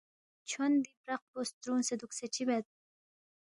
چھون دی برَق پو سترُونگسے دُوکسے چِہ بید؟“